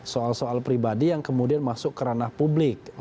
soal soal pribadi yang kemudian masuk ke ranah publik